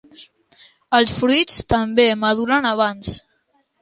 Els fruits també maduren abans.